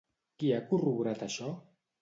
Qui ha corroborat això?